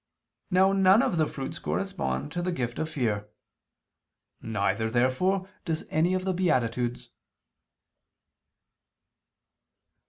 Now none of the fruits correspond to the gift of fear. Neither, therefore, does any of the beatitudes.